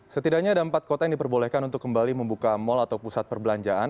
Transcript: setidaknya ada empat kota yang diperbolehkan untuk kembali membuka mal atau pusat perbelanjaan